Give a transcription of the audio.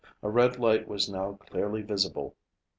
A red light was now clearly visible.